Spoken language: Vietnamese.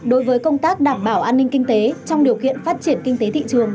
đối với công tác đảm bảo an ninh kinh tế trong điều kiện phát triển kinh tế thị trường